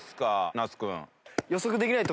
那須君。